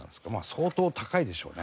相当高いでしょうね。